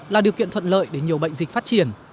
là điều kiện thuận lợi để nhiều bệnh dịch phát triển